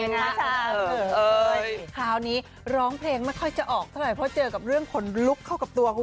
นะคะขาวนี้ร้องเพลงไม่ค่อยจะออกพอเจอกับเรื่องคนลุกเข้ากับตัวคู่